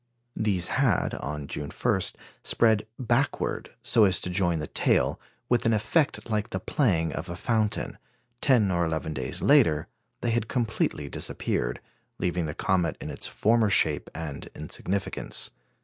These had, on June 1, spread backward so as to join the tail, with an effect like the playing of a fountain; ten or eleven days later, they had completely disappeared, leaving the comet in its former shape and insignificance.